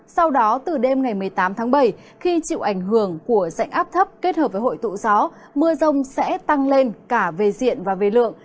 sau đó từ đêm ngày một mươi tám tháng bảy khi chịu ảnh hưởng của dạnh áp thấp kết hợp với hội tụ gió mưa rông sẽ tăng lên cả về diện và về lượng